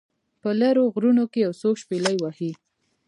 په لیرو غرونو کې یو څوک شپیلۍ وهي